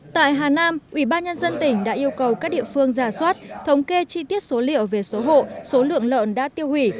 tại hà nam ủy ban nhân dân tỉnh đã yêu cầu các địa phương giả soát thống kê chi tiết số liệu về số hộ số lượng lợn đã tiêu hủy